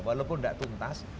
walaupun tidak tuntas